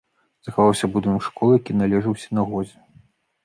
Захаваўся будынак школы, які належаў сінагозе.